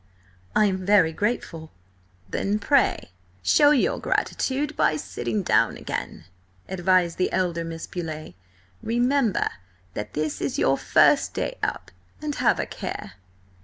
I am very grateful—" "Then pray show your gratitude by sitting down again!" advised the elder Miss Beauleigh. "Remember that this is your first day up, and have a care!"